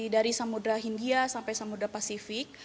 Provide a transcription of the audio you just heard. dari samudera hindia sampai samudera pasifik